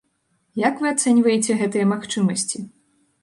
Як вы ацэньваеце гэтыя магчымасці?